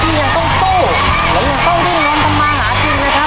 ที่ยังต้องสู้และยังต้องริ่งร้อนต่ำมาหาจริงนะครับ